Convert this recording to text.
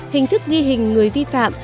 hình thức ghi hình người vi phạm